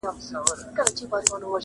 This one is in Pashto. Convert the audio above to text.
شپې یې ډېري تېرېدې په مېلمستیا کي-